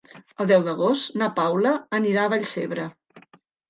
El deu d'agost na Paula anirà a Vallcebre.